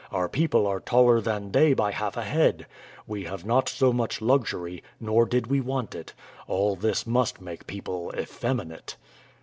Our people are taller than they by half a head. We have not so much luxury, nor did we want it. All this must make people effeminate."